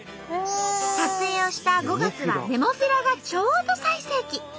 撮影をした５月はネモフィラがちょうど最盛期。